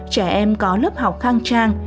trẻ em có lớp học khang trang